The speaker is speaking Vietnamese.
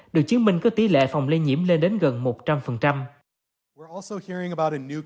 được chứng minh có tỷ lệ phòng lây nhiễm lên đến gần một trăm linh